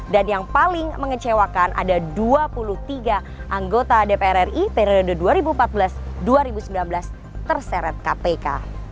dan yang paling mengecewakan ada dua puluh tiga anggota dpr ri periode dua ribu empat belas dua ribu sembilan belas terseret kpk